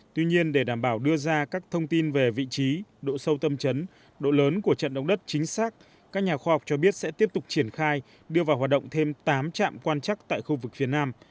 tuy nhiên để đảm bảo đưa ra các thông tin về vị trí độ sâu tâm chấn độ lớn của trận động đất chính xác các nhà khoa học cho biết sẽ tiếp tục triển khai đưa vào hoạt động thêm tám trạm quan chắc tại khu vực phía nam